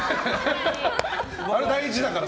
それ、大事だから。